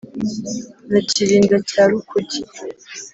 na kirinda cya rukuge,